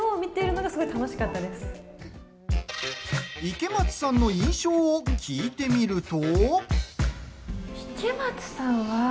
池松さんの印象を聞いてみると。